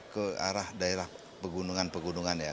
ke arah daerah pegunungan pegunungan ya